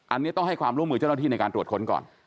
อันนี้ต้องให้ความร่วมมือเจ้าหน้าที่ในการตรวจค้นก่อน